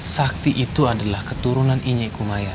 sakti itu adalah keturunan inyekumayan